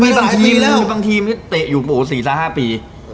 มีบางทีมมีบางทีมที่เตะอยู่๔๕ปี